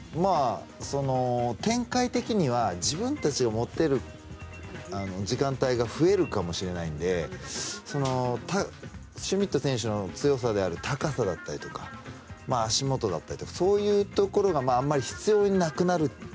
展開的には自分たちが持てる時間帯が増えるかもしれないのでシュミット選手の強さである高さであるとか足元だったりとかそういうところがあまり必要なくなる。